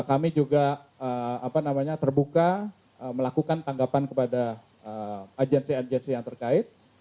kami juga terbuka melakukan tanggapan kepada agensi agensi yang terkait